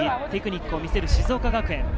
テクニックを見せる静岡学園。